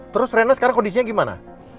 terus rena sekarang kondisinya gimana